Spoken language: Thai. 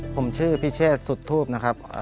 ผมชื่อพิเชษสุดทูปนะครับ